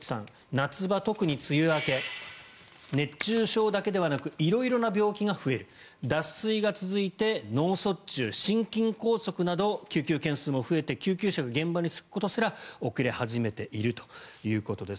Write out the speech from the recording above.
夏場は特に梅雨明け熱中症だけではなく色々な病気が増える脱水が続いて脳卒中、心筋梗塞など救急件数も増えて救急車が現場に着くことすら遅れ始めているということです。